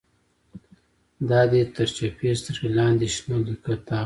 د ادې تر چپې سترگې لاندې شنه ليکه تاوه وه.